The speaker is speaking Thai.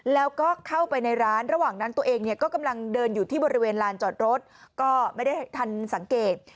แล้วก็เข้าไปในร้านระหว่างนั้นตัวเองเนี่ยก็กำลังเดินอยู่ที่บริเวณลานจอดรถก็ไม่ได้ทันสังเกต